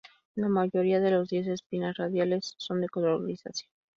La mayoría de los diez espinas radiales son de color grisáceo.